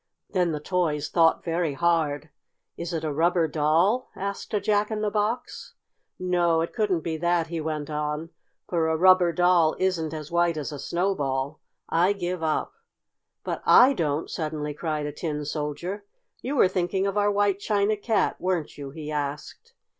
Then the toys thought very hard. "Is it a rubber doll?" asked a Jack in the Box. "No, it couldn't be that," he went on, "for a rubber doll isn't as white as a snowball. I give up!" "But I don't!" suddenly cried a Tin Soldier. "You were thinking of our White China Cat, weren't you?" he asked.